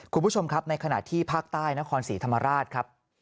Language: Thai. คุณผู้ชมครับในขณะที่ภาคใต้นครศรีธรรมราชครับ